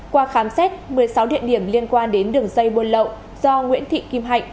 qua khám xét một mươi sáu địa điểm liên quan đến đường dây buôn lậu do nguyễn thị kim hạnh